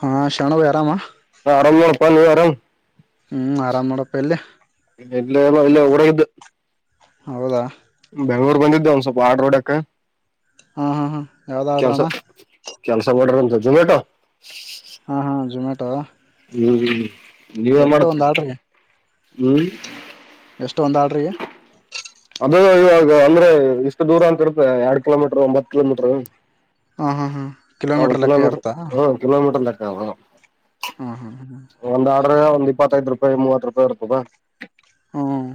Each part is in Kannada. ಹಾ ಶಣವಿ ಆರಾಮ. ಪಲ್ವೋ ಅರಾಮ್. ಹ್ಮ್ ಆರಾಮ್ ನೋಡಪ್ಪ ಇಲ್ಲೆ. ಇಲ್ಲ ಇಲ್ಲ ಉರಗಿದವು ಹೌದಾ ಬೆಂಗ್ಳೂರ್ ಬಂದಿದ್ದೆ ಒಂದ್ ಸ್ವಲ್ಪ ಆರ್ಡ ಹೊಡೆಕ ಹಾ ಹಾ ಹಾ ಯಾವ್ದು ಆರ್ಡ್ರಣ್ಣ ಕೆಲ್ಸ ಮಾಡಡರ್ ಅಂತ ಜಝೊಮ್ಯಾಟೊ [inaudible] ಹಾ ಹಾ ಜಮ [unintelligible] ಟೋ ಹ್ಮ್ [inaudible] ಮಾಡತ್ರಿ ಎಟ್ಒಂದ ಆಾಡ್ರಿಗೆ ಹ್ಮ್ ಎಷ್ಟುಒಂದ್ ಆಾಡ್ರಿಗೆ ಅದ ಇವಾಗ ಅಂದ್ರೆ ಇಷ್ಟು ದೂರ ಅಂತ ಇರುತ್ತೆ ಎರಡ್ ಕಿಲೋಮೀಟರ್ ಒಂಬತ್ ಕಿಲೋಮೀಟರ್ ಹಾ ಹಾ ಹಾ ಕಿಲೋಮೀಟರ್ ಲೆಕ್ಕ ಇರ್ತಾ ಹ ಹ [inaudible] ಹ ಹ್ಮ ಒಂದ ಬರಗ ಒಂದ ಇಪ್ಪತ್ತೈದು ರೂಪಾಯಿ ಮೂವತ್ತು ರೂಪಾಯಿ ಇರ್ತದ ಹ್ಮ್ [inaudible]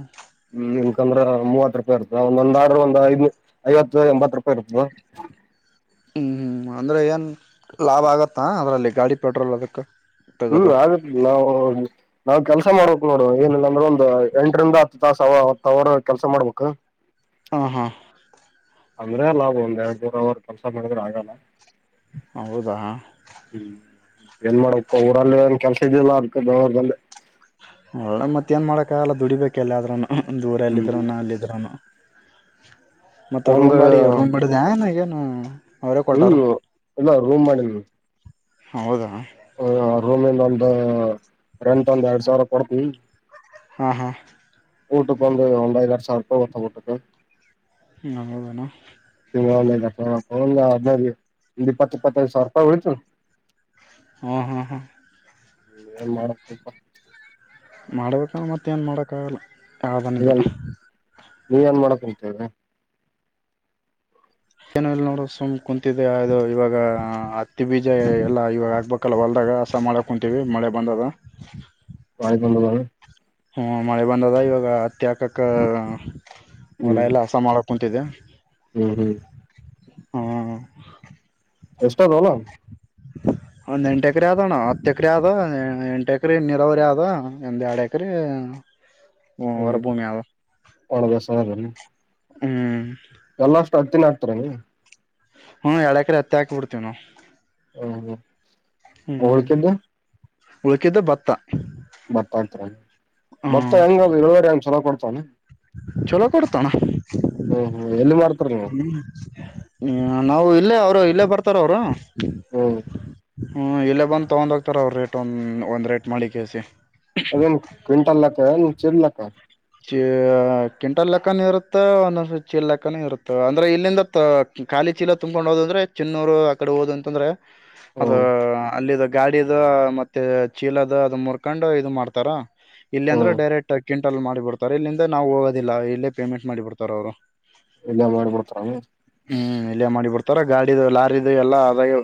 ಯಂದ್ರ ಮೂವತ್ ರೂಪಾಯಿ ಇರ್ತ ಒಂದೊಂದ್ ಆರ್ಡರು ಐವತ್ತು ಎಂಬತ್ತು ರೂಪಾಯಿ ಇರ್ತದ ಹ್ಮ್ ಹ್ಮ್ ಅಂದ್ರೆ ಏನ್ ಲಾಭ ಆಗತ್ತಾ ಅದ್ರಲ್ಲಿ ಗಾಡಿ ಪೆಟ್ರೋಲ್ ಅದಕ್ಕ ಹ್ಮ್ ಆಗತ್ಿಲ್ಲ ನಾವು ನಾವ್ ಕೆಲ್ಸ ಮಾಡಬೇಕ್ ನೋಡು ಏನಿಲ್ಲ ಅಂದ್ರೆ ಒಂದು ಎಂಟರಿಂದ ಹತ್ತು ತಾಸ ಅವ ಅವರು ಕೆಲ್ಸ ಮಾಡ್ಬೇಕ ಹಾ ಹಾ ಅಂದ್ರೆ ಲಾಭ ಒಂದ್ ಎರಡು ನೂರ ಅವರ್ [unintelligible] ಕೆಲ್ಸ ಮಾಡಿದ್ರೆ ಆಗಲ್ಲ ಹೌದ ಹ್ಮ್ ಏನ್ ಮಾಡಪ್ಪ ಊರಲ್ಲಿ ಏನ್ ಕೆಲ್ಸ ಇದಿಲ್ಲ ಅದಕ ಬೆಂಗಳೂರು ಬಂದೆ ಒಳ್ಳೆ ಮತ್ತ್ ಏನ್ ಮಾಡಕ್ಕ ಆಗಲ್ಲ ದುಡಿಬೇಕ ಎಲ್ಲ ಅದ್ರೂನು ಹ್ಮ್ ದೂರಲ್ಲಿದ್ರುನು ಅಲ್ಲಿದ್ರುನು [inaudible] [inaudible] ಮತ್ ಒಂದು ರೂಮ್ ಬಾಡಿಗಿ ರೂಮ್ ಮಡಿದಾನ ಹ್ಮ್ [unintelligible] ಹ್ಮ್ ಅಲ್ಲ ರೂಮ್ ಮಾಡಿನಿ ಹೌದಾ ಹ ರೂಮಿಂದೊಂದು ಎಂಟ್ ಒಂದ ಎರಡ್ ಸಾವಿರ ಬಡಿ [unintelligible] ಹಾ ಹಾ. ಊಟುಕ್ ಒಂದು ಒಂದ್ ಐದರ್ ಸಾವ್ರ್ ರೂಪಾಯ್ ವೊತ್ತ್ ಊಟಕ್ಕ. ಹ್ಮ್ ಹೌದೇನೋ. ಇನ್ನೊಂದ್ ಐದಪ್ಪ ಒಂದ್ ಹದ್ನೈದ್ ದಿಸ್ ಒಂದ್ ಇಪ್ಪತ್ ಇಪ್ಪತ್ತೈದ್ ಸಾವ್ರ್ ರೂಪಾಯ್ ಉಳಿತು. ಹ್ಮ ಹಾ ಹಾ. ಏನ್ ಮಾಡಪ್ ಬಿಪ್ಪಾ. ಮಾಡ್ಬೇಕೇನೋ ಮತ್ ಏನ್ ಮಾಡೋಕ್ಕಾಗಲ್ಲ. ಹಾಗ್ ಅನ್ಬುಟ್ಟಾ. ನೀವ್ ಏನ್ ಮಾಡಕ್ ಕುಂತ್ಕೊಂಡ್ರ. ಏನು ಇಲ್ ನೋಡು ಸುಮ್ ಕುಂತಿದ್ದೆ ಅದು ಇವಾಗ ಹತ್ತಿ ಬೀಜ ಎಲ್ಲಾ ಇವಾಗ ಆಗ್ಬೇಕಲ್ಲ ಹೊಲ್ದಾಗ ಹಸ ಮಾಡಕ್ ಕುಂತೀವಿ ಮಳೆ ಬಂದದ. ವಾಯುಗ್ ಬಂದದ ಅದು. ಹ್ಮ ಮಳೆ ಬಂದದ ಇವಾಗ ಹತ್ತಿ ಹಾಕಕ. ಒಲ ಹ್ಮ್ ಎಲ್ಲ ಹಸ ಮಾಡಕ್ ಕುಂತಿದೆ. ಹ್ಮ್ ಹ್ಮ್. ಹ್ಮ್ ಎಷ್ಟದ್ ಒಲ. ಒಂದ್ ಎಂಟ ಎಕ್ರೆ ಆದಣ್ಣ ಹತ್ ಎಕರೆ ಆದಾವ್ ಎಂಟು ಎಕ್ರೆ ನೀರಾವರಿ ಆದ ಒಂದ್ ಎರಡ್ ಎಕ್ರೆ. ಹ್ಮ್ ಒಳದ ಸರ್ ಏನ. ಹ್ಮ್ ಎಲ್ಲಷ್ ಟತಿನ್ ಅತ್ರೆ. ಹ್ಮ ಎಡ್ ಎಕ್ರೆ ಹತ್ತಿ ಹಾಕ್ ಬಿಡ್ತಿವ್ ನಾವ್. ಹ್ಮ್ ಹು. ಮೋಳ್ಕ್ಯಾಂದ. ಉಳ್ಕಿದ್ದು ಭತ್ತ. ಭತ್ತ ಅಂತರ್ ಹ್ಞೂ ಮತ್ತ ಹೆಂಗ ಇಳುವರಿ ಹಂಗ್ ಚಲೋ ಕೊಡ್ತ್ ಚನ. ಚಲೋ ಕೊಡ್ತೋಣ. ಹ್ಮ್ ಹ್ಮ್ ಎಲ್ಲಿ ಮಾಡ್ತರ್ ನೀವು. ಹ್ಮ ನಾವು ಇಲ್ಲೇ ಅವ್ರು ಇಲ್ಲೇ ಬರ್ತಾರ್ ಅವ್ರು. [unintelligible] ಹ್ಮ್ ಹ್ಞೂ ಇಲ್ಲೇ ಬಂದ್ ತಗೊಂಡ್ ಹೋಗ್ತಾರ್ ಅವ್ರ್ ರೇಟ್ ಒಂದ್ ಒಂದ್ ರೇಟ್ ಮಾಡಿ ಕೆಸಿ. ಅದೇನ್ ಕ್ವಿಂಟಲ್ ಲೆಕ್ಕ ಏನ್. ಚಿರ್ಲಕ್ಕ. ಚಿ ಕಿಂಟಲ್ ಲೆಕ್ಕನ ಇರುತ್ತೆ ಒಂದೊಂದ್ ಚೀಲ್ ಲೆಕ್ಕನ ಇರುತ್ತ ಅಂದ್ರೆ ಇಲ್ಲಿಂದ ಖಾಲಿ ಚೀಲ ತುಂಬ್ಕೊಂಡ್ ಹೋದ್ ಅಂದ್ರೆ ಚಿನ್ನೂರು ಆ ಕಡೆ ಹೋದ್ ಅಂತಂದ್ರೆ. ಅದ ಹ್ಮ್ ಅಲ್ಲಿದಗ್ ಗಾಡಿದ ಮತ್ತೆ ಚೀಲದ ಅದ ಮುರ್ಕೊಂಡು ಇದು ಮಾಡ್ತಾರ. ಇಲ್ಲಿ ಅಂದ್ರ್ ಹ್ಮ್ ಡೈರೆಕ್ಟ್ ಆಗ್ ಕಂಟಲ್ ಮಾಡ್ [unintelligible] ತರ ಇಲ್ಲಿಂದ ನಾವು ಹೋಗೋದಿಲ್ಲ ಇಲ್ಲೇ ಪೇಮೆಂಟ್ ಮಾಡಿ ಬಿಡ್ತಾರ ಅವರು ಇಲ್ಲೆ ಮಾಡ್ಬಿಡ್ತಾರ ಆ ತರ ಗಾಡಿದು ಲಾರಿದು ಎಲ್ಲ ಅದಾಗೆ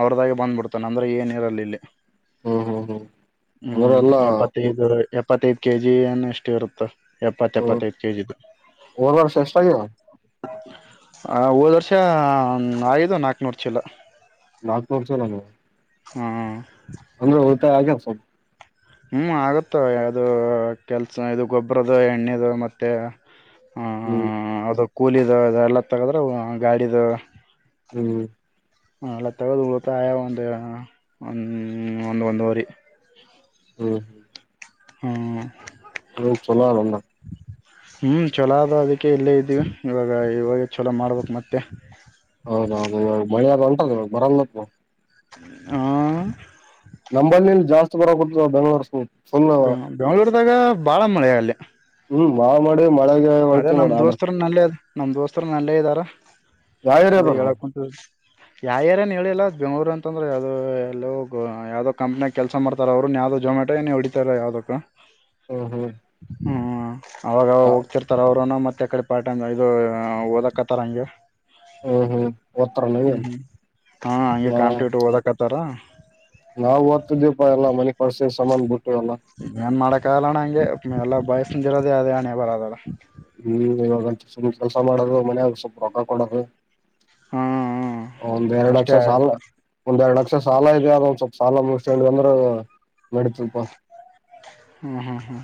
ಅವ್ರ್ದಾಗೆ ಬಂದ್ಬಿಡ್ತಾನ್ ಅಂದ್ರೆ ಏನ್ ಇರಲ್ ಇಲ್ಲಿ ಹ್ಮ್ ಹ್ಮ್ ಹ್ಮ್ ಅಂದ್ರೆ ಹ್ಮ್ ಎಲ್ಲಾ ಎಪ್ಪತ್ತೈದು ಇಪ್ಪತ್ತೈದು ಕೆ ಜಿ ಏನ್ ಎಷ್ಟ್ ಇರುತ್ ಹ ಓದ್ ವರ್ಷ [unintelligible] ಆ ಹೋದ್ ವರ್ಷ ಆಗ್ಯಾದ ಒಂದ್ ನಾಕ್ನೂರ್ ಚೀಲ ನಾಲ್ಕ್ ನೂರ್ ಚೀಲನ? ಹ್ಮ್ ಹಂದ್ರ ಹತ ಆಗ್ಯಾದ್ [unintelligible] ಹ್ಮ್ ಆಗುತ್ತ ಯಾದು ಕೆಲ್ಸ ಇದು ಗೊಬ್ರದ ಎಣ್ಣೆದು ಮತ್ತೆ ಹ್ಮ ಹ್ಮ್ ಅದು ಕೂಲಿದ ಅದು ಎಲ್ಲ ತಗದ್ರೆ, ಗಾಡಿದು ಹ್ಮ್ ಅವೆಲ್ಲ ತಗ್ದ ಉಳ್ತಾಯ ಒಂದ್ ಹ ಒಂದ್ ಒಂದು ವರಿ ಹ್ಮ್ ಹ್ಮ್ ಹ್ಮ [unintelligible] ಹ್ಮ್ ಚಲೋ ಅದು ಅದಕ್ಕೆ ಇಲ್ಲೇ ಇದ್ದೀವಿ ಇವಾಗ ಇವಾಗ ಚಲೋ ಮಾಡ್ಬೇಕ್ ಮತ್ತೆ ಹೌದೌದು ಮಳೆಗ್ [unintelligible] ಬರಲ್ ಆಹ್ ನಂಬಲ್ಲಿಲ್ಲಿ ಜಾಸ್ತಿ ಬರ ಕೊಟ್ಟತದ ಬೆಂಗ್ಳೂರ್ನ ಬೆಂಗ್ ಬೆಂಗ್ಗಳೂರ್ದಾಗ ಬಾಳ ಮಳೆಯಾಳ್ಳಿ ಹ್ಮ್ ಮಾ [unintelligible] ಮಳೆಗೆ ಒಳತ ನಮ್ ನೋಡ ದೋಸ್ತರನ್ ಅಲ್ಲೇ ಅದ ನಮ್ ದೋಸ್ತರನು ಅಲ್ಲೇ ಇದ್ದಾರ ಯಾವ ಅದೇ ಏರಿಯಾದ ಹೇಳಕ್ ಉಂಟು ಯಾ ಏರ್ಯ ಏನ್ ಹೇಳಿಲ್ಲ ಬೆಂಗ್ಳೂರು ಅಂತಂದ್ರರೆ ಯಾದೋ ಎಲ್ಲೋ ಯಾವ್ದೋ ಕಂಪ್ನಿಯಾಗ ಕೆಲ್ ಸ ಮಾಡ್ತಾರ ಅವ್ರು ಯಾವ್ದೋ ಜೊಮ್ಯಾಟೊ ಏನೊ ಹೊಡತಾರೆ ಯಾದುಕ್ಕೋ ಹ್ಮ ಹ್ಮ ಹಾ ಅವಾಗ್ ಅವಾಗ ಅವ್ರುನು ಮತ್ತೆ ಅ ಕಡೆ ಪಾರ್ಟ್ ಟೈಮ್ ಇದು ಓದಕತ್ತಾರ ಹಂಗೆ ಹ್ಮ್ ಹ್ಮ್ ನೀವ ಹ್ಮ್ ಹ್ಮ್ ಹಾ ಹಂಗೆ ಕಾಣ್ಟಿಟ್ಟು ಓದಕತ್ತಾರ ನಾವು ಓದ್ತಿದಿವಪ್ಪಾ ಎಲ್ಲಾ ಮನೆ ಕಸಿ ಸಾಮಾನ್ ಬಿಟ್ಟು ಎಲ್ಲ. ಕಾಲಣ ಹಂಗೆ ಎಲ್ಲ ಬಯಸ್ಸ ನಿಂದಿರೋದೇ ಅದೇ ಹಣೆ ಬರೋದಲ್ಲ. ಹ್ಮ್ ಇವಾಗಂತ ಸುಮ್ಮ್ ಕೆಲ್ಸ ಮಾಡದು ಮನ್ಯಾಗ ಸ್ವಪ್ ರೊಕ್ಕ ಕೊಡದು. ಹ್ಮ ಹ್ಮ್ ಒಂದ ಎರಡು ಲಕ್ಷ ಅಷ್ಟೇ ಸಾಲ ಒಂದೆರಡು ಲಕ್ಶ್ ಸಾಲ ಇದ ಅ ಒಂದ್ ಸ್ವಲ್ಪ ಸಾಲ ಮುಗ್ಸ್ಕ್ಯಾಂಡ್ ಅಂದ್ರ ನಡಿತದ್ ಪ. ಹಾ ಹಾ ಹಾ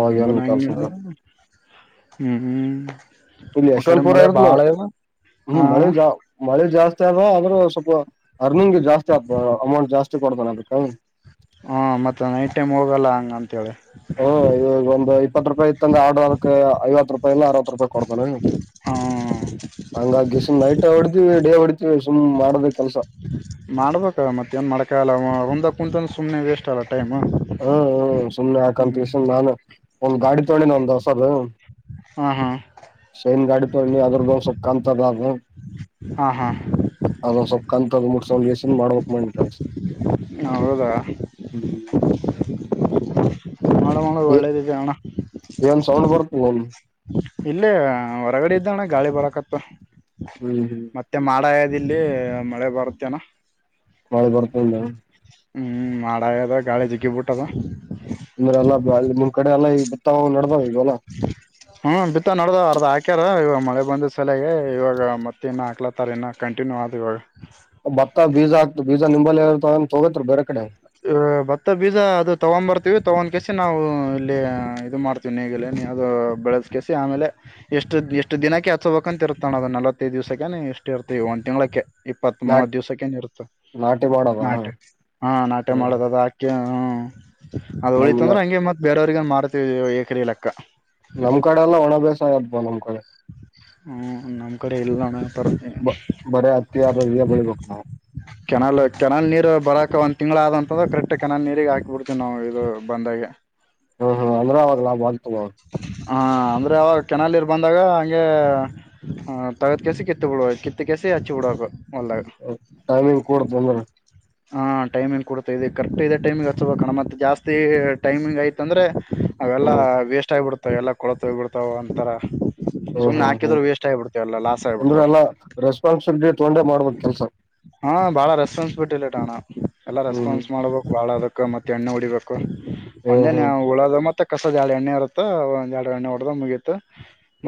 ಅವಾಗ ಏನ್ ಕೆಲ್ಸ ರ ಹ್ಮ್-ಹ್ಮ್ ಇಲ್ಲಿ ಯಶವಂತಪುರ ಇರುತ್ನ ಹ್ಮ ಹಾ ಮಳೆ ಅಣ್ಣ ಜಾ ಮಳೆ ಜಾಸ್ ತ್ಯದ ಆದ್ರು ಸ್ವಲ್ಪ ಅರ್ನಿಂಗ್ ಜಾಸ್ತಿ ಆಗ್ ಅಮೌಂಟ್ ಜಾಸ್ ಹೆಚ್ಚು ಕೊಡ್ತನಾ ಅದಕ್ಕ? ಹಾ ಮತ್ತ ನೈಟ್ ಟೈಮ್ ಹೋಗಲ್ಲ ಹಂಗ್ ಅಂತೇಳಿ. ಹ್ಮ ಇವಾಗ ಒಂದು ಇಪ್ಪತ್ತು ರೂಪಾಯಿ ದಂಗ ಆಡದಕ್ ಐವತ್ತು ರೂಪಾಯಿ ಇಲ್ಲ ಅರವತ್ತು ರೂಪಾಯಿ ಕೊಡ್ತಾನ. ಹ ಹಂಗಾಗಿಶ್ ನೈಟ್ ಹೊಡಿತಿವಿ ಡೇ ಹೊಡಿತಿವಿ ಸುಮ್ ಮಾಡೋದ ಕೆಲಸ. ಮಾಡ್ಬೇಕ ಮತ್ತ ಏನ್ ಮಾಡಕಾಗಲ್ಲ ಒಂದ ಕುಂತನ್ ಸುಮನೆ ವೇಸ್ಟ್ ಅಗ ಹ್ಮ್-ಹ್ಮ್ ಸುಮ್ನೆ ಹ್ಮ್ ಹಾಕಂತಿಸ್ ಅಂತ್ ನಾನು ಒಂದ್ ಗಾಡಿ ತೊಳಿ ನಂದಸ್ [unintelligible] ಹಾ ಹಾ ಶೈನ್ ಗಾಡಿ ತೊಳಿ ನೀ ಅದ್ರುದೊಂದ್ ಸ್ವಲ್ಪ ಕಂತದ. ಹ್ಮ ಹಾ ಹಾ ಅದೊಂದ್ ಸ್ವಲ್ಪ್ ಕಂತದ್ ಮುಟ್ ಸೊಲ್ಯೂಷನ್ ಮಾಡ್ಬೇಕ್ ಮಂಡ್ [unintelligible] ಹೌದಾ [unintelligible] ಮಾಡು ಮಾಡು ಒಳ್ಳೇದಿದೆ ಅಣ. ಏನ್ ಸೌಂಡ್ ಬರ್ಕನನ್? ಇಲ್ಲೇ ಹೊರಗಡೆ ಇದ್ದಣ್ಣ ಗಾಳಿ ಬರಕತ್ತ ಹ್ಮ್ ಮತ್ತೆ ಮಾಡ ಇಲ್ಲಿ ಮಳೆ ಬರುತ್ತೇನಾ? ಮಳೆ ಬರತ್ತಂದ ಹ್ಮ್ ಮಾಡಾಗದ ಗಾಳಿ ಜಿಗ್ಗಿ ಬಿಟ್ಟದ. ತವ್ ನಡ್ದಾವ್ ಈಗ್ ಹೊಲ? ಹ್ಮ ಬಿತ್ತ ನೋಡ್ದ ಅರ್ದ ಹಾಕ್ಯಾರ ಇವಾಗ ಮಳೆ ಬಂದ್ ಸಲ್ಯಾಗ ಇವಾಗ ಮತ್ತೆ ಇನ್ನ ಹಾಕ್ಲತ್ತಾರ ಇನ್ನು ಕಂಟಿನ್ಯೂ ಆದ್ ಇವಾಗ. ಭತ್ತ ಬೀಜ ಆಗ್ತು ಬೀಜಾ ನಿಂಬಲ್ಲಿ ಏನ ತಗೋ ತಗೋತ್ರಿ ಬೇರೆ ಕಡೆ? ಭತ್ತ ಬೀಜ ಅದು ತಗೊನ್ ಬರ್ತೀವಿ ತಗೊನ್ ಕೆಸಿ ನಾವು ಇಲ್ಲಿ ಇದು ಮಾಡ್ತೀವಿ ನೀಗಿಲ ನೀ ಅದು ಬೆಳದ್ ಕೆಸಿ ಆಮೇಲೆ ಎಷ್ಟು ಎಷ್ಟ ದಿನಕ್ಕೆ ಹಚ್ಬೇಕಂತ ಇರ್ತಾನ ಅದು ನಲ್ವತ್ತೈದು ದಿವ್ಸಕ್ಕೆ ಎಷ್ಟು ಇರ್ತೀವಿ ಒಂದ್ ತಿಂಗ್ಳಕ್ಕೆ. ಇಪ್ಪತ್ ಮೂವತ್ ನಾಟಿ ದಿವ್ಸಕ್ಕೇನ್ ಇರುತ್ತ ನಾಟಿ ಮಾಡದ ನಾಟೆ ಹಾ ನಾಟ್ ಟೆ ಹ್ಮ್ ಮಾಡೋದದ ಆಕೆ ಅದ್ ನಮ್ನೆ ಉಳಿತಂದ್ರ್ ಹಂಗೆ ಮತ್ ಬೇರೆವ್ರ್ ತಿರ್ಗ ಮಾಡ್ತಿವಿ ಏ ಎಕ್ರೆ ಲೆಕ್ಕ. ನಮ್ ಕಡೆ ಎಲ್ಲ ಒಣ ಬೇಸಯ ಅಬ್ಬ ನೋಡ್ ಹು ನಮ್ ಕಡೆ ಎಲ್ ಅಣ್ಣ. ಬ ಬರೆ ಹತ್ತಿ ಅದು ಇದ ಬೆಳಿಬೇಕು ನಾವು. ಕೆನಾಲ್ ಕೆನಾಲ್ ನೀರು ಬರಕ ಒಂದ್ ತಿಂಗ್ಳ್ ಆದಂತಂದ್ರ ಕರೆಕ್ಟ್ ಕೆನಲ್ ನೀರಿಗೆ ಹಾಕಿ ಬಿಡ್ತೇವಿ ನಾವು ಇದು ಬಂದಾಗೆ. ಹಾ ಹಾ ಅಂದ್ರಲ ವಲ್ತ್ ಮ. ಹಾ ಅಂದ್ರೆ ಅವಾಗ್ ಕೆನಾಲ್ ನೀರ್ ಬಂದ್ ತಗ ಹಂಗೆ ತಗದ್ ಕೇಸಿ ಕಿತ್ತ ಬಿಡುವ ಕಿತ್ತ ಕೇಸಿ ಹಚ್ಚಿ ಬಿಡಕು. ಟೈಮಿಂಗ್ ಕೊಡತ್ ಬಂದ್ರ. ಹಾ ಟೈಮಿಂಗ್ ಕೊಡ್ತ ಇದೆ ಕರೆಕ್ಟ್ ಇದೆ ಟೈಮಿಗ್ ಹಚ್ಬೇಕಣ ಮತ್ತ ಜಾಸ್ತಿ ಟೈಮಿಂಗ್ ಆಯ್ತಂದ್ರೆ. ಅವೆಲ್ಲ ಹ್ಮ್ ವೇಸ್ಟ್ ಆಗ್ಬಿಡ್ತ್ ತ ಎಲ್ಲ ಕೊಳ್ತಾಗ್ ಬಿಡ್ತಾವ್ ಅಂಥರ. ಹ್ಮ್ ಹ್ಮ್ ಹ್ಮ್ ಅಂದ್ರೆ ಆಗಿಬಿಡ್ತಾವ ಎಲ್ಲ ರೆಸ್ಪಾನ್ಸಿಬಿಲಿಟಿ ತಗೊಂಡೆ ಮಾಡ್ಬೇಕ್ ಕೆಲ್ಸ. ಹಾ ಬಾಳ ರೆಸ್ಪಾನ್ ಬಿಟ್ ಇಲ್ ಟಣ. ಎಲ್ಲಾ ಹ್ಮ್ ರೆಸ್ಪಾನ್ಸ್ ಮಾಡ್ಬೇಕ್ ಬಾಳ ಅದಕ್ ಕ್ಕ ಮತ್ ಎಣ್ಣೆ ಒಡಿಬೇಕು. ಹ್ಮ್ ಹ್ಮ್ ಒಂದೇನೆ ಹ್ಮ್ ಉಳದು ಮತ್ತಕ್ ಕಸದ ಎರ್ಡ್ ಎಣ್ಣೆ ಇರುತ್ತ ಒಂದು ಎಡ್ ಎಣ್ಣೆ ಹೊಡೆದ್ ಮುಗಿತು.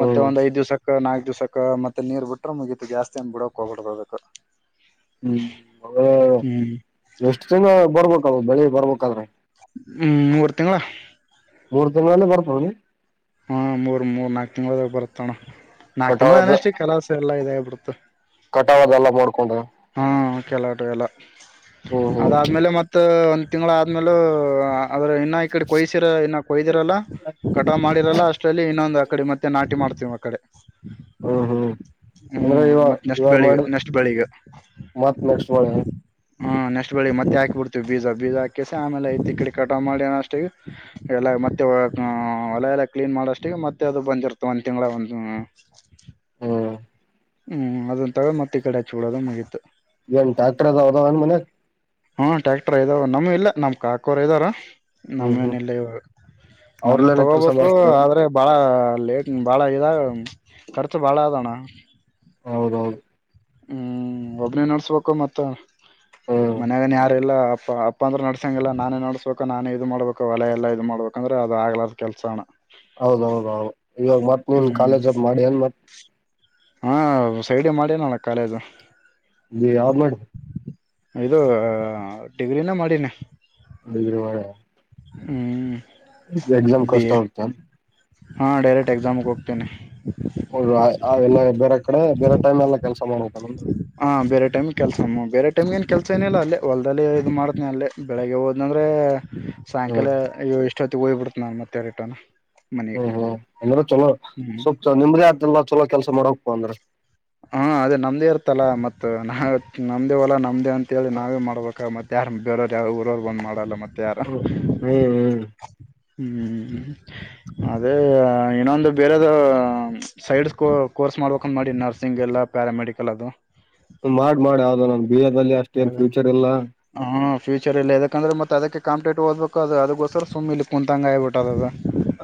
ಮತ್ತೆ ಹ್ಮ್ ಒಂದ್ ಐದ್ ದಿವ್ಸಕ್ ಕ ನಾಕ್ ದಿವ್ಸಕ ಮತ್ತೆ ನೀರ್ ಬಿಟ್ರೆ ಮುಗಿತು ಜಾಸ್ತಿ ಬಿಡೋಕ್ ಹೋಗ್ಬಡ್ದ ಅದಕ. ಹ್ಮ್ ಹೌ ಓ ಎಷ್ಟ್ ಜನ ಬರ್ಬೇಕಲ್ ಬೆಳಿಗ್ ಬರ್ಬಕ್ ಕದ್ರೆ. ಹ್ಮ್ ಮೂರ್ ತಿಂಗ್ಳ. ಮೂರ್ ತಿಂಗ್ಳಲ್ಲಿ ಬಾರ್ತದ್ನಿ. ನಿಮ್ಮದ್ರಾಗ್ ಬರುತ್ ಅಣ್ಣ. ನಾಕ್ ತಿಂಗ್ಳ ಕಟಾವದ ಅನಷ್ಟೇ ಕೆಲಸ ಎಲ್ಲ ಇದ್ ಆಗ್ಬಿಡ್ ತ್. ಕಟಾವ್ ಅದೆಲ್ಲಾ ಬಡ್ ಹಾ ಕೆಲಾಟ್ ಎಲ್ಲಾ ಹ್ಮ್ ಹ್ಮ್ ಅದಾದ್ಮೇಲೆ ಮತ್ ಮತ್ ಒಂದ್ ತಿಂಗಳ ಆದ್ಮೇಲು ಆ ಅದರ್ ಇನ್ನ ಈ ಕಡಿ ಕೊಯ್ಸಿರ ಕೊಯ್ದಿರಲ್ಲಾ ಕಟಾವ್ ಮಾಡಿರಲ್ಲ ಅಷ್ಟ್ರಲ್ಲಿ ಇನ್ನೊಂದ್ ಅಕಡಿ ಮತ್ತೆ ನಾಟಿ ಮಾಡ್ತೀವಿ ಮತ್ ಕಡೆ ಹ್ಮ್ ಹ್ಮ್ ಅಂದ್ರೆ ಹ್ಮ್ ಮತ್ತ ನೆಕ್ಸ್ಟ್ ಬೆಳಿಗ ನೆಕ್ಸ್ಟ್ ಬೆಳಿಗ ಮತ್ತ್ ನೆಕ್ಸ್ಟ್ ಬೆಳಿಗ ಹಾ ನೆಕ್ಸ್ಟ್ ಬೆಳಿಗ್ ಮತ್ತೆ ಹಾಕಿ ಬುಡ್ತೀವಿ ಬೀಜ ಬೀಜ ಹಾಕೆಸಿ ಆಮೇಲೆ ಐತಿ ಇಕಡಿ ಕಟಾವ್ ಮಾಡಿ ಅ ಅಷ್ಟಿಗೆ ಎಲ್ಲಾ ಮತ್ತೆ ಹೊ ಹ್ಮ್ ಹೊಲಾ ಎಲ್ಲಾ ಕ್ಲೀನ್ ಮಾಡೋಷ್ಟಿಗಿ ಮತ್ತೆ ಅದು ಬಂದಿರ್ತ ಒಂದ್ ತಿಂಗಳಾಗ ಒಂದ್ ಹ ಓ ಹ್ಮ್ ಅದನ್ ತಗದ ಮತ್ತ ಈಕಡೆ ಹಚ್ಚ ಬಿಡೋದು ಮುಗಿತ ಈಗೆನ್ ಟ್ಯಾಕ್ಟರ್ ಅದ ಅದಾವ ಎನ್ ಮನ್ಯಾಗ ಹ್ಮ ಟ್ಯಾಕ್ಟರ್ ಇದಾವ ನಮ್ಮೂ ಇಲ್ಲ ನಮ್ ಕಾಕೋರ್ ಇದಾರ ಹ್ಮ್ ನಮ್ಮೂ ಎನ್ ಹ್ಮ್ ಇಲ್ಲಾ ಇವಾಗ್ ನಮ್ಮೂ ಅವ್ರಲ್ಲೇನ ಕೆಲ್ಸ ತಗೋಬೇಕು ಮಾಡಸ್ತಾರ ಆದ್ರೆ ಬಾಳ ಲೇಟ್ ಭಾಳಾ ಇದಾಗ ಖರ್ಚು ಭಾಳ ಅದಾಣ್ಣ ಹೌದೌದು ಹ್ಮ್ ಒಬ್ಬ್ನೇ ನಡ್ಸ್ಬೇಕು ಮತ್ತಾ ಹ್ಮ್ ಮನ್ಯಾಗನ ಯಾರ್ ಇಲ್ಲಾ ಅಪ್ಪ ಅಪ್ಪ ಅಂದ್ರ ನಡ್ಸಂಗಿಲ್ಲಾ ನಾನೇ ನಡ್ಸ್ಬೇಕು ನಾನೇ ಇದ್ ಮಾಡ್ಬೇಕ ಅವೆಲ್ಲಾ ಎಲ್ಲಾ ಇದ ಮಾಡ್ಬೇಕಂದ್ರ ಅದ ಆಗ್ಲಾರದ ಕೆಲ್ಸಾ ಅಣ್ಣಾ ಹೌದೌದೌದು ಇವಾಗ ಮತ್ ನೀನ್ ಹ್ಮ್ ಕಾಲೇಜ್ ಮಾಡಿ ಎನ್ ಮತ್ ಹಾ ಸೈಡಿಗ್ ಮಾಡಿನಿ ಅಣ್ಣಾ ಕಾಲೇಜ್ ಯಾವ್ದ್ ಮಾಡಿ ಇದು ಡಿಗ್ರಿನ ಮಾಡಿನಿ ಅಂದ್ರ ಇವಾಗ ಹ್ಮ್ ಎಕ್ಸಾಮ್ ಬಿ ಕಷ್ಟಾ ಎ ಆಗ್ತೆನ್ ಹಾ ಡೈರೆಕ್ಟ್ ಎಕ್ಸಾಮ್ಗ ಹೋಗ್ತೇನ ಹೌದ ಆ ಆ ಬೇರೆ ಕಡೆ ಬೇರೆ ಟೈಮೆಲ್ಲಾ ಕೆಲ್ಸಾ ಮಾಡ್ಬೇಕ್ ಏನ ಟೈಮಿಗೆ ಕೆಲ್ಸ ಮ್ ಬೇರೆ ಟೈಮ್ಗೆನ್ ಕೆಲ್ಸಾ ಏನಿಲ್ಲಾ ಅಲ್ಲೆ ಹೊಲ್ದಲ್ಲಿ ಇದ ಮಾಡ್ತೀನ ಅಲ್ಲಿ ಬೆಳಿಗ್ಗೆ ಹೊದನಂದ್ರೆ ಸಾಯಂಕಾಲ ಹ್ಮ್ ಯೋ ಇಷ್ಟ ಇಷ್ಟೊತ್ತಿಗೆ ಹೋಗ್ಬಿಡ್ತೀನಿ ನಾನ್ ಮತ್ತೆ ರಿಟರ್ನ್ ಮನೆಗೆ ಹ್ಮ್ ಹ್ಮ್ ಅಂದ್ರ ಚಲೋ ಹ್ಮ್ ಸ್ವಲ್ಪ ನಿಮ್ದೇ ಆಯಿತ್ದೆಲ್ಲಾ ಚಲೋ ಕೆಲ್ಸ ತೋ ಮಾಡೋಗಪ್ಪ ಅಂದ್ರ ಹಾ ಅದೇ ನಮ್ದೇ ಇರ್ತಲ್ಲ ಮತ್ ನಾ ನಮ್ದೇ ಹೊಲಾ ನಮ್ದೇ ಅಂತೇಳಿ ನಾವೇ ಮಾಡಬೇಕಾ ಮತ್ತ ಮತ್ತ್ ಯಾರ್ ಬೇರೆರೋ ಯಾರ್ ಊರೋರ್ ಬಂದ ಮಾಡಲ್ಲ ಮತ್ತ ತ್ಯಾರಾ ಹ್ಮ್ ಹ್ಮ್ ಹ್ಮ್ ಅದೇ ಇನ್ನೊಂದು ಬೇರೆದ ಸೈಡ್ ಕೋರ್ ಕೋರ್ಸ್ ಮಾಡಬೇಕಂತ್ ಮಾಡಿನ್ ನರ್ಸ್ ಸಿಂಗಲಾ ಪ್ಯಾರಾಮೆಡಿಕಲ್ ಅದು ಹ್ಮ್ ಮಾಡ್ ಮಾಡ್ ಯಾವ್ದನಾ ಒಂದ್ ಬಿಎ ದಲ್ಲಿ ಅಷ್ಟೇನ್ ಫ್ಯೂಚರ್ ಇಲ್ಲಾ ಫೂಚರ್ಲ್ಲಿ ಯಾಕಂದ್ರೆತ್ತ ಅದಕ್ಕೆ ಕಂಪ್ಲೇಟ್ ಓದಬೇಕು ಅದಕ್ಕೋಸ್ಕ ಸುಮ್ಮ ಇ ಕ ಕುಂತಂ ಆಗಿಬಿಟ್ಟ ಅದದು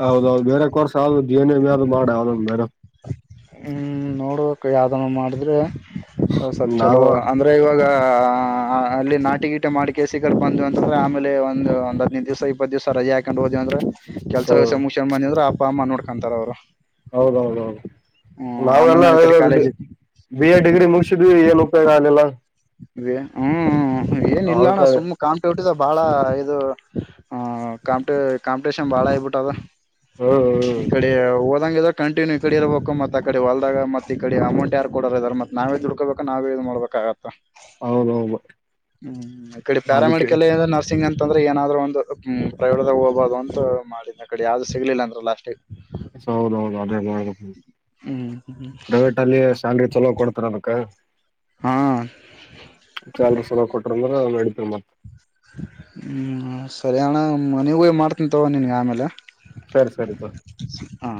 ಹೌದೌದು ಬೇರೆ ಕೋರ್ಸ ಆದದು ಜವನ ಅದು ಮಾಡ ಅವ ಬೇರೆ ಹ ನೋಡೋಕ್ಕೆ ಯಾವವುದನ್ನು ಮಾಡಿದ್ರೆ ಹಸತ್ ಚಲೋ ನಾವ ಅಂದ್ರೆ ಇವಾಗ ಆ ಅಲ್ಲಿ ನಾಟಿಗೀಟ ಮಾಡಿ ಕೆಸ ಕರ್ ಬಂದ್ ಅಂತಂದ್ರೆ ಆಮೇ ಒಂದು ಒಂದ ಹದ್ನೈದು ದಿವ್ಸ ಇಪ್ಪತ್ತು ದಿವಸ ರಜೆ ಹಾಕೊಂಡು ಹೋ್ವಿ ಅಂದ್ರೆ ಹ್ಮ್ ಕೆಲಸಸ ಮುಖ್ಯ ಬಂದಿದ್ರ ಅಮ್ಮ ನೋ ಹಕಂತರೋರರು ಹೌದೌದೌದು ಆಮೇಲೆ ನಾವೆಲ್ಲ ನಾವ್ ಈ ಕಡೆ ಇವಾಗ ಕಾಲೇಜ್ ಬಿ ಎ ಡಿಗ್ರಿ ಮುಗಿಸಿದ್ವಿ ಏನು ಗಾಲಲ್ಲ [unintelligible] ಅ [unintelligible] ಹ್ಮ್ ಏನ್ ಇಲ್ಲ ಅಣ್ಣ ಅದಕ್ಕ ಸುಮ್ ಕಾಂಪಿಟಿದ ಬಾಳ ಇದು ಹ ಕಾಂಪ ಕಾಂಪಿಟೇಷನ್ ಬಾಳ ಆಯಬಿಟ್ಟು ಅದು ಹ್ಮ ಇ ಹ್ಮ್ ಕಡೆ ಅದಂಗ ಇದ ಕಂಟಿನ್ಯೂ ಈ ಕಡೆ ಇರಬೇಕ ಮತ್ ಆ ಕಡೆ ಹೊಲ್ದಾಗ ಮತ್ ಈಡೆ ಅಮೌಂಟ್ ಯಾರ್ ಕಡರ್ ಇದಾರೆ ಮತ್ ನಾವೇ ದುಡ್ಕೋಬೇಕ ನಾವೇ ಇ ಇದ್ ಮಾಡ್ಬೇಕಾಗತ್ತತ್ ಹೌದೌದು ಹ್ಮ್ ಈ ಕಡೆ ಅದಕ್ಕೆ ಪ್ಯಾರಾಮೆಡಿಕಲ್ ನರ್ಸಿಂಗ್ ಅಂತ ಅತ್ತಂದ್ರೆ ಏನಾದ್ರು ಒಂದು ಪ್ರೈವೇಟ್ದಾಗ ಹೋಗಬದು ಅಂತ ಮಾಡಿದ ಕಡೆ ಯಾವ್ದದು ಸಿಗ್ಲಿಲ್ಲ ಅಂದ್ರ ಲಾಸ್ಟಿಗೆ ಹೌದೌದು ಅದೇ ಹ್ಮ್ ಪ್ರೈವೇಟ್ ಅಲ್ಲಿ ಸ್ಯಲ್ರಿ ಚಲೋ ಕೊಡ್ತಾರ ಅದಕ್ಕ ಹಾ ಚಲ್ರು ಸಲ ಕೊಟ್ರ ಅಂದ್ರೆ ನ [unintelligible] ಸಮ [unintelligible] ಹ್ಮ್ ಸರಿ ಅಣ್ಣ ಮನಗ ಮಾಡ್ತನ್ ತವ ನಿನ್ಗೆ ಆಮೇಲೆ ಸರಿ ಸರಿ ಹಾ